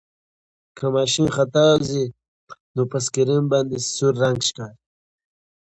که ماشین تېروتنه وکړي نو په سکرین باندې سور رنګ ښکاري.